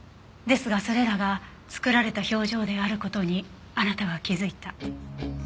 ですがそれらが作られた表情である事にあなたは気づいた。